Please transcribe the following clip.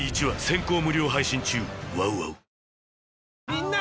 みんな！